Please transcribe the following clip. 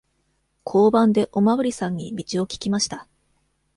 交番でおまわりさんに道を聞きました。